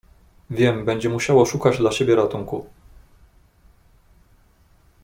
"Wiem będzie musiało szukać dla siebie ratunku."